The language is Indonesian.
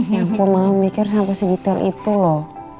ya ampun mama mikir sama si detail itu loh